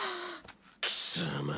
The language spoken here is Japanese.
貴様。